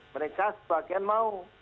mereka sebagian mau